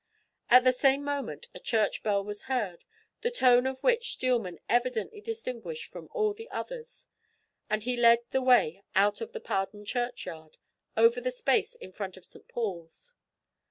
At the same moment, a church bell was heard, the tone of which Steelman evidently distinguished from all the others, and he led the way out of the Pardon churchyard, over the space in front of St. Paul's.